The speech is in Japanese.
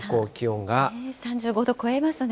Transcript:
３５度超えますね。